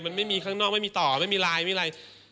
มันไม่มีข้างนอกไม่มีต่อไม่มีลายไม่มีอะไร